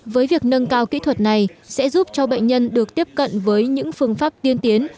với việc nâng cao kỹ thuật này sẽ giúp cho bệnh nhân được tiếp cận với những phương pháp tiên tiến